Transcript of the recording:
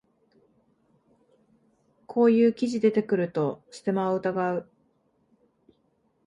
こういう記事出てくるとステマを疑う